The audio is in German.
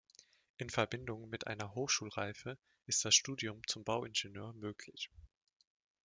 In Verbindung mit einer Hochschulreife ist das Studium zum Bauingenieur möglich.